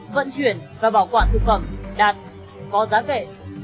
vận chuyển và bảo quản thực phẩm đạt có giá vẻ